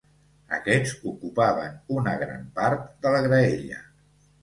Aquests ocupaven una gran part de la graella.